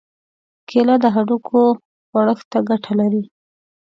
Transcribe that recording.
کېله د هډوکو غوړښت ته ګټه لري.